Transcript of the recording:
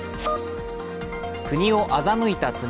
国を欺いた罪。